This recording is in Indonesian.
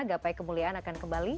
gapai kemuliaan akan kembali